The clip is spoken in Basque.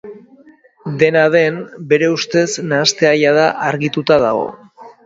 Dena den, bere ustez nahastea jada argituta dago.